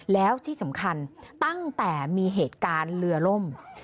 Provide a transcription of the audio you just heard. แล้วที่สำคัญตั้งแต่มีเหตุการณ์เรือล่ม